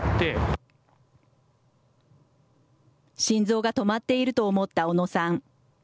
心臓が止まっていると思った小野さん。